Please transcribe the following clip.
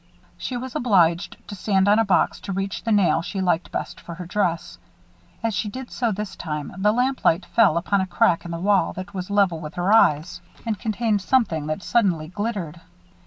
She was obliged to stand on a box to reach the nail she liked best for her dress. As she did so this time, the lamplight fell upon a crack in the wall that was level with her eyes, and contained something that suddenly glittered.